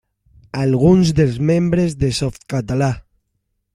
Alguns dels membres de Softcatalà.